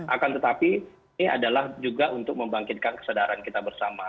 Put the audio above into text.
akan tetapi ini adalah juga untuk membangkitkan kesadaran kita bersama